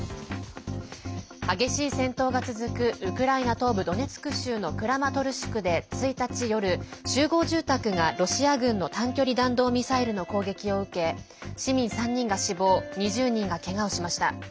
東部ドネツク州のクラマトルシクで１日夜集合住宅がロシア軍の短距離弾道ミサイルの攻撃を受け市民３人が死亡２０人が、けがをしました。